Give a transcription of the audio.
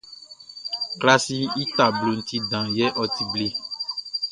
Klasiʼn i tabloʼn ti dan yɛ ɔ ti ble.